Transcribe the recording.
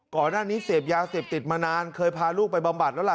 ก่อนหน้านี้เสพยาเสพติดมานานเคยพาลูกไปบำบัดแล้วล่ะ